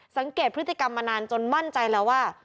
สังเกตพฤติกรรมมานานจนมั่นใจแล้วว่า